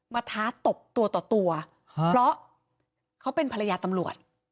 ท้าตบตัวต่อตัวเพราะเขาเป็นภรรยาตำรวจ